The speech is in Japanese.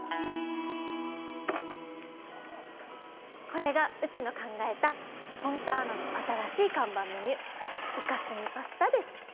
これがうちの考えたフォンターナの新しい看板メニューイカスミパスタです！